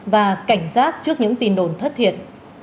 và cảnh giác trước những tin đồn thất thiệt